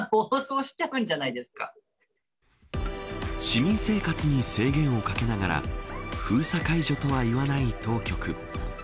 市民生活に制限をかけながら封鎖解除とは言わない当局。